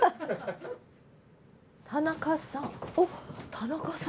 田中さん。